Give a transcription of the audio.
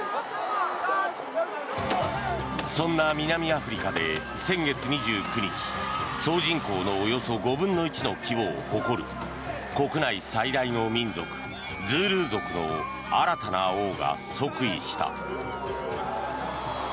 そんな南アフリカで先月２９日総人口のおよそ５分の１の規模を誇る国内最大の民族、ズールー族の新たな王が即位した。